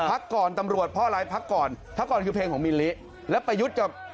พักก่อนตำรวจเพราะอะไรพักก่อนพักก่อนคือเพลงของมิลลิแล้วประยุทธ์กับ